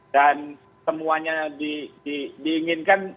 dan semuanya diinginkan